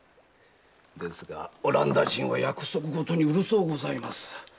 ですがオランダ人は約束事にうるそうございます。